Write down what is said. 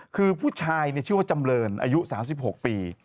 คือผู้ชายชื่อว่าจำเรินอายุ๓๖ปี